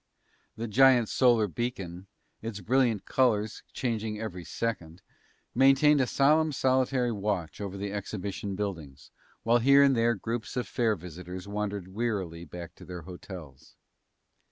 The giant solar beacon, its brilliant colors changing every second, maintained a solemn solitary watch over the exhibition buildings, while here and there groups of fair visitors wandered wearily back to their hotels.